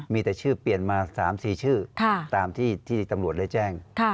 มีแต่ชื่อเปลี่ยนมา๓๔ชื่อตามที่ตำรวจได้แจ้ง